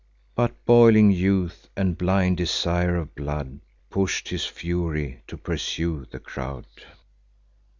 But boiling youth, and blind desire of blood, Push'd on his fury, to pursue the crowd.